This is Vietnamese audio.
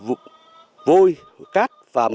và xây dựng vôi cát và mật mía